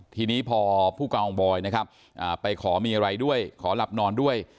ทีนี้พอผู้กองบอยนะครับไปขอมีอะไรด้วยขอหลับนอนด้วย